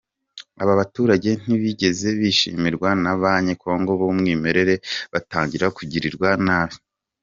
Aba baturage ntibigeze bishimirwa n’abanye-Congo b’umwimerere batangira kugirirwa nabi.